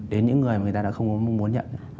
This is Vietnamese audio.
đến những người mà người ta đã không muốn nhận